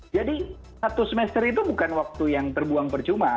jadi satu semester itu bukan waktu yang terbuang percuma